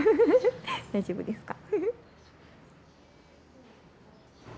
大丈夫ですか。